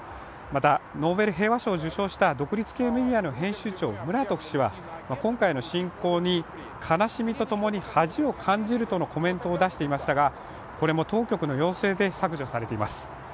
また、ノーベル平和賞を受賞した独立系メディアの編集長、ムラトフ氏は今回の侵攻に悲しみと共に恥を感じるとのコメントを出していましたがこれも当局の要請で削除されています。